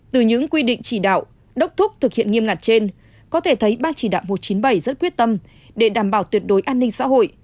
từ những quy định chỉ đạo đốc thúc thực hiện nghiêm ngặt trên có thể thấy ban chỉ đạo một trăm chín mươi bảy rất quyết tâm để đảm bảo tuyệt đối an ninh xã hội